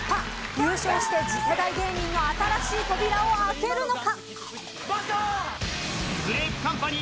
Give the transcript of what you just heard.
優勝して次世代芸人の新しい扉を開けるのか。